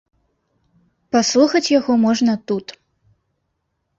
Паслухаць яго можна тут.